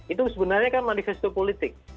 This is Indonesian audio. itu sebenarnya kan manifesto politik